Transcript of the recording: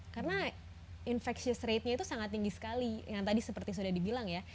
karena infeksi ratenya itu sangat tinggi sekali yang tadi seperti sudah dibilang ya